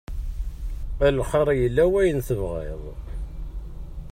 A lxir yella wayen tebɣiḍ?